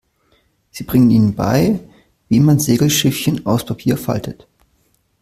Sie bringt ihnen bei, wie man Segelschiffchen aus Papier faltet.